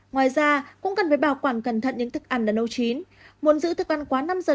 ngoài ra cũng cần phải bảo quản cẩn thận những thức ăn ở nấu chín muốn giữ thức ăn quá năm giờ